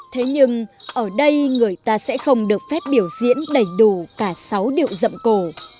thế nhưng ở đây người ta sẽ không được phép biểu diễn đầy đủ cả sáu điệu dậm cổ